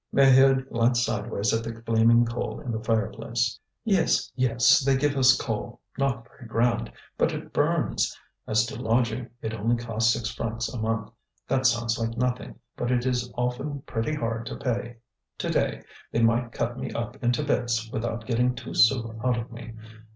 Maheude glanced sideways at the flaming coal in the fireplace. "Yes, yes, they give us coal, not very grand, but it burns. As to lodging, it only costs six francs a month; that sounds like nothing, but it is often pretty hard to pay. To day they might cut me up into bits without getting two sous out of me.